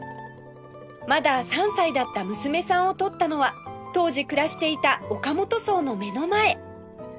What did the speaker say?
まだ３歳だった娘さんを撮ったのは当時暮らしていた岡本荘の目の前